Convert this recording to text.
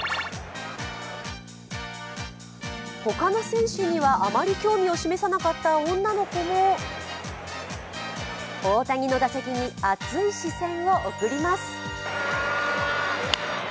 他の選手にはあまり興味を示さなかった女の子も大谷の打席に熱い視線を送ります。